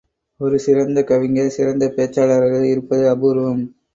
ஒரு சிறந்த கவிஞர், சிறந்த பேச்சாளராக இருப்பது அபூர்வம்.